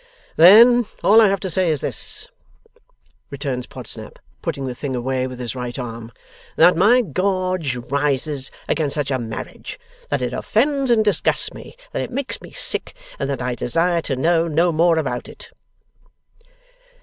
'Then all I have to say is,' returns Podsnap, putting the thing away with his right arm, 'that my gorge rises against such a marriage that it offends and disgusts me that it makes me sick and that I desire to know no more about it.